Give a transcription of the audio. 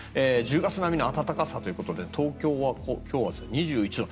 １０月並みの暖かさということで東京は今日は２１度。